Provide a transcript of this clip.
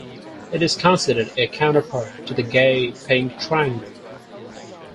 It is considered a counterpart to the gay pink triangle.